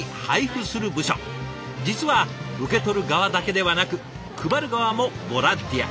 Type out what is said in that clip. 実は受け取る側だけではなく配る側もボランティア。